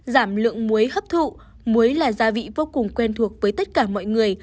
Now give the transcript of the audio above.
giảm lượng muối hấp thụ muối là gia vị vô cùng quen thuộc với tất cả mọi người